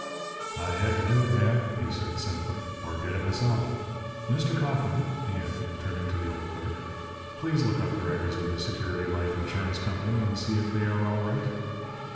"I had to do it, ma'am," he said, simply, "or get it myself. Mr. Kauffman," he added, turning to the old clerk, "please look up the records of the Security Life Insurance Company and see if they are all right."